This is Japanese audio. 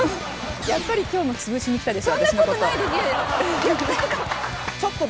やっぱり今日も潰しに来たでしょ